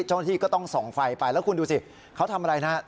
เจ้าหน้าที่ก็ต้องส่องไฟไปแล้วคุณดูสิเขาทำอะไรนะครับ